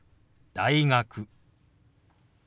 「大学」。